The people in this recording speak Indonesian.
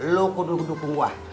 lo kok dulu dukung gue